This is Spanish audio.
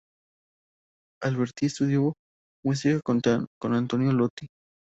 Alberti estudió música con Antonio Lotti.